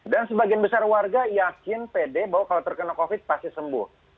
dan sebagian besar warga yakin pede bahwa kalau terkena covid pasti sembuh